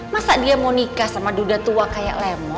masa dia mau nikah sama duda tua kan